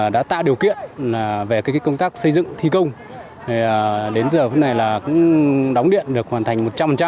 đã tạo điều kiện về công tác xây dựng thi công đến giờ cũng đóng điện được hoàn thành một trăm linh